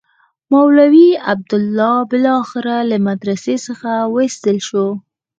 مولوي عبیدالله بالاخره له مدرسې څخه وایستل شو.